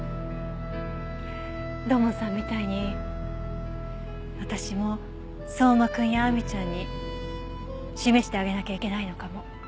土門さんみたいに私も相馬くんや亜美ちゃんに示してあげなきゃいけないのかも。